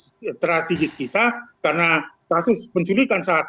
karena kasus penculikan saat ini sedang menjadi fenomena yang sangat menakutkan merecahkan masyarakat